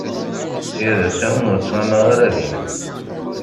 Sya d asawen ur ttɣamaɣ ara din.